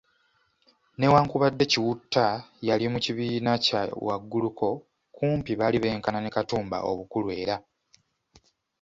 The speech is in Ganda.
Newankubadde Kiwutta yali mu kibiina kya wagguluko, kumpi baali benkana ne Katumba obukulu era